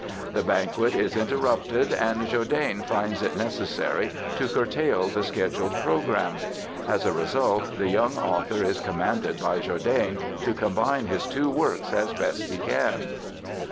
The banquet is interrupted and Jourdain finds it necessary to curtail the scheduled program. As a result the young author is commanded by Jourdain to combine his two works as best he can!